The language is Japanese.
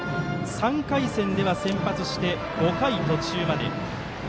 ３回戦では先発して５回途中まで。